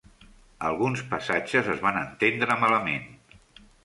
Alguns passatges es van entendre malament.